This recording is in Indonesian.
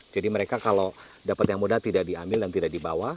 jadi mereka kalau dapat yang mudah tidak diambil dan tidak dibawa